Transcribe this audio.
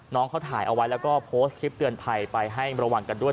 น้องเขาถ่ายเอาไว้แล้วก็โพสต์คลิปเตือนภัยไปให้ระวังกันด้วย